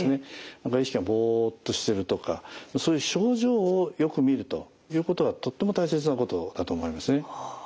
何か意識がぼっとしてるとかそういう症状をよく見るということがとっても大切なことだと思いますね。